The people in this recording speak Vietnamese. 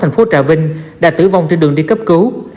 anh huỳnh tốn anh đã tử vong trên đường đi cấp cứu